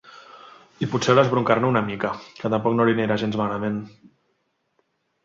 I potser l'esbroncaran una mica, que tampoc no li anirà gens malament.